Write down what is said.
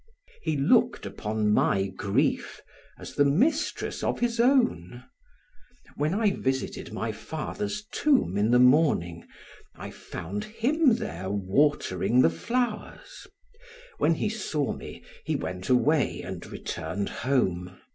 He looked upon my grief as the mistress of his own. When I visited my father's tomb in the morning I found him there watering the flowers; when he saw me he went away and returned home.